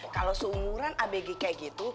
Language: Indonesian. kalau seumuran abg kayak gitu